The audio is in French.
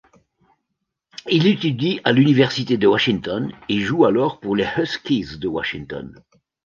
Il étudie à l'université de Washington et joue alors pour les Huskies de Washington.